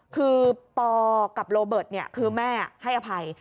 คือปอกับโรเบิร์ตคือแม่ให้อภัย